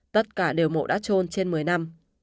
tất cả đều mộ đã trôn trên một mươi năm